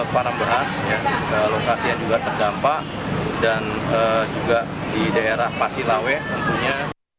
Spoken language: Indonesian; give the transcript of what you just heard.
pemulihan trauma ini diberikan di kantor wanita